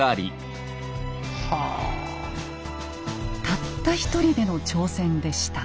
たった一人での挑戦でした。